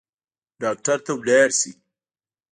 ډاکټر ته لاړ شئ